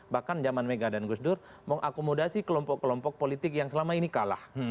bahkan zaman mega dan gus dur mengakomodasi kelompok kelompok politik yang selama ini kalah